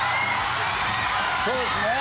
そうですねえ